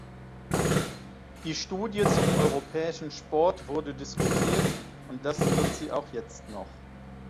Die Studie zum europäischen Sport wurde diskutiert, und das wird sie auch jetzt noch.